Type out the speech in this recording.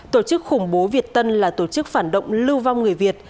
tổ chức khủng bố việt tân là tổ chức phản động lưu vong người việt